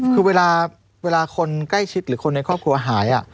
คือเวลาคนใกล้ชิดหรือคนในครอบครัวหาย